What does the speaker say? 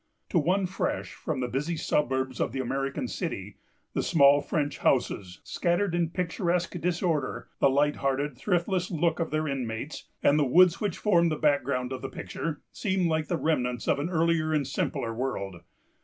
To one fresh from the busy suburbs of the American city, the small French houses, scattered in picturesque disorder, the light hearted, thriftless look of their inmates, and the woods which form the background of the picture, seem like the remnants of an earlier and simpler world.